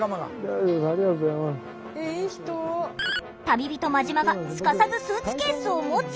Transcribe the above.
旅人マジマがすかさずスーツケースを持つ。